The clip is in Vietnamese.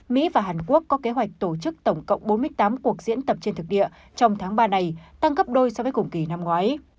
mỹ và hàn quốc có kế hoạch tổ chức tổng cộng bốn mươi tám cuộc diễn tập trên thực địa trong tháng ba này tăng gấp đôi so với cùng kỳ năm ngoái